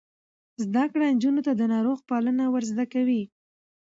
زده کړه نجونو ته د ناروغ پالنه ور زده کوي.